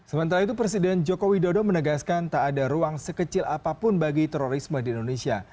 sementara itu presiden joko widodo menegaskan tak ada ruang sekecil apapun bagi terorisme di indonesia